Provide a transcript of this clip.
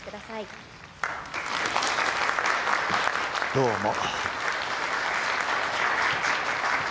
どうも。